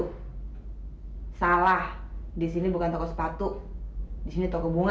hai salah di sini bukan toko sepatu di sini toko bunga